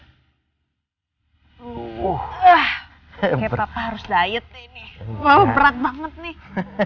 kayak papa harus diet nih berat banget nih